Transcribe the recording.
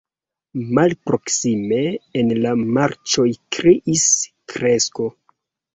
Malproksime en la marĉoj kriis krekso.